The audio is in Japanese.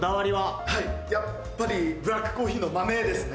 やっぱりブラックコーヒーの豆ですね。